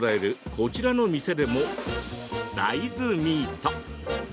こちらの店でも、大豆ミート。